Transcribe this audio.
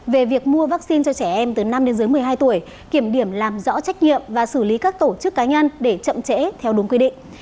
về việc mua vaccine cho trẻ em từ năm đến dưới một mươi hai tuổi kiểm điểm làm rõ trách nhiệm và xử lý các tổ chức cá nhân để chậm trễ theo đúng quy định